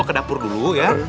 saya mau ke dapur dulu ya